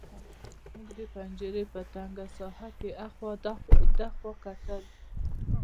موږ د پنجرې په تنګه ساحه کې هاخوا دېخوا کتل